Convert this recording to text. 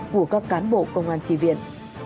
của các cán bộ công an tri viện